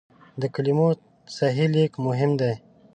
د کلمو صحیح لیک مهم دی.